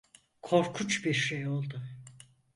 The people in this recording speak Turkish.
Korkunç bir şey oldu.